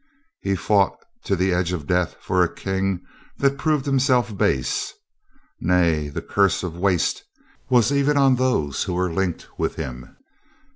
He fought to the edge of death for a King that proved himself base. Nay, the curse of waste was even on those who were linked with him.